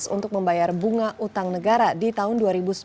untuk membayar bunga utang negara di tahun dua ribu sembilan belas